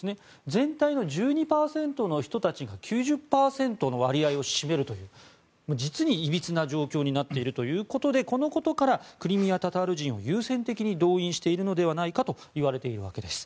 全体の１２％の人たちが９０％を占めるという実にいびつな状況になっているということでこのことからクリミア・タタール人を優先的に動員しているのではないかといわれているわけです。